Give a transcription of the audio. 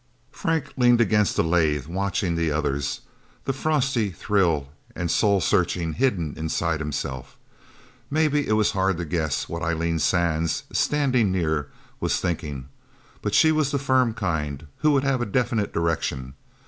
Frank leaned against a lathe, watching the others, the frosty thrill and soul searching hidden inside himself. Maybe it was hard to guess what Eileen Sands, standing near, was thinking, but she was the firm kind who would have a definite direction.